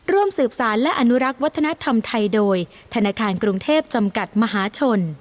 ร่วมสืบสารและอนุรักษ์วัฒนธรรมไทยโดยธนาคารกรุงเทพจำกัดมหาชน